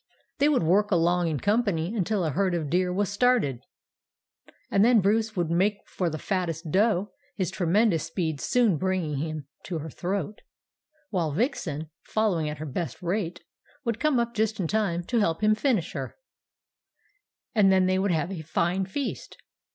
They would work along in company until a herd of deer was started, and then Bruce would make for the fattest doe, his tremendous speed soon bringing him to her throat; while Vixen, following at her best rate, would come up just in time to help him to finish her, and then they would have a fine feast.